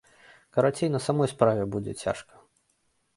Карацей, на самой справе будзе цяжка.